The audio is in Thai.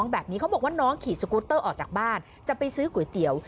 แบบนี้เขาบอกว่าน้องขี่สกูตเตอร์ออกจากบ้านจะไปซื้อก๋วยเตี๋ยว